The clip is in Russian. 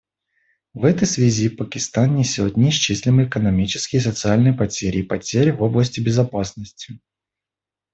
В этой связи Пакистан несет неисчислимые экономические, социальные потери и потери в области безопасности.